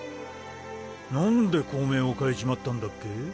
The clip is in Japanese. なんで校名を変えちまったんだっけ？